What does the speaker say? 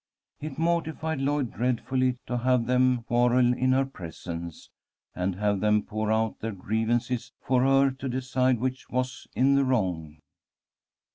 It mortified Lloyd dreadfully to have them quarrel in her presence, and have them pour out their grievances for her to decide which was in the wrong.